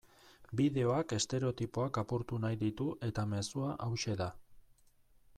Bideoak estereotipoak apurtu nahi ditu eta mezua hauxe da.